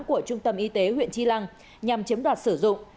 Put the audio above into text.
của trung tâm y tế huyện chi lăng nhằm chiếm đoạt sử dụng